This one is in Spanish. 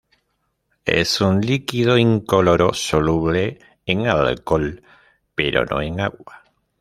Es un líquido incoloro soluble en alcohol, pero no en agua.